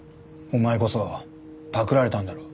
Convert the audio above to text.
お前こそパクられたんだろ？